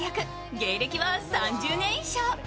芸歴は３０年以上。